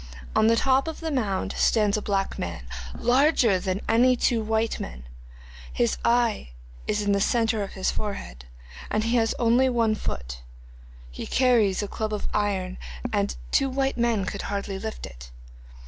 On the top of the mound stands a black man, larger than any two white men; his eye is in the centre of his forehead and he has only one foot. He carries a club of iron, and two white men could hardly lift it.